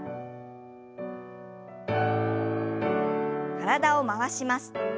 体を回します。